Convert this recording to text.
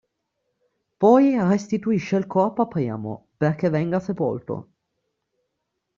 Poi restituisce il corpo a Priamo perché venga sepolto.